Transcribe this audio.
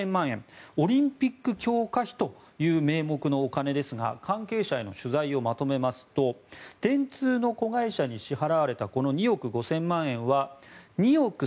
オリンピック強化費という名目のお金ですが関係者への取材をまとめますと電通の子会社に支払われたこの２億５０００万円は２億３０００万円